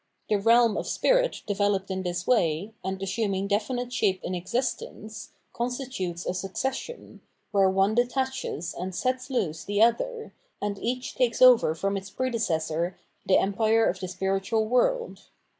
The realm of spirits developed in this way, and assiiTniug definite shape in existence, constitutes a succession, where one detaches and sets loose the other, and each takes over from its predecessor the empire of the spiritual world.